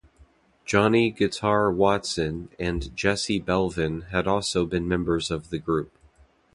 Johnny Guitar Watson and Jesse Belvin had also been members of the group.